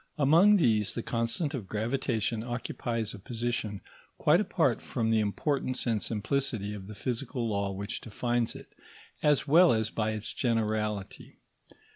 Among these, the constant of gravitation occupies a position quite apart from the importance and simplicity of the physical law which defines it, as well as by its generality.